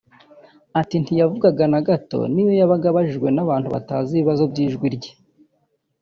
Ati "Ntiyavugaga na gato n’iyo yabaga abajijwe n’abantu batazi ibibazo by’ijwi rye